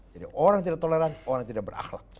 jadi orang tidak toleran orang tidak berakhlak